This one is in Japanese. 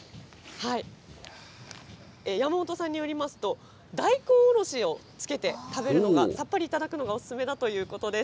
山本さんによりますと、大根おろしをつけて食べるのが、さっぱり頂くのがお勧めだということです。